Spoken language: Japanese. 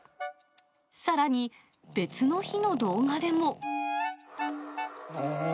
さらに、別の日の動画でも。